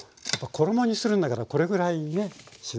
衣にするんだからこれぐらいねっしないと。